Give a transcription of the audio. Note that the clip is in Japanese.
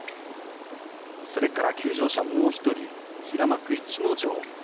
それから休場もう１人、平幕逸ノ城。